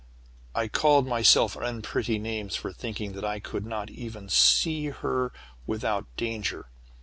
I called myself unpretty names for thinking that I could not even see her without danger.